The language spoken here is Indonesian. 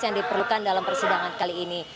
yang diperlukan dalam persidangan kali ini